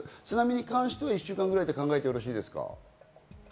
津波に関しては１週間くらいと考えてよろしいですか？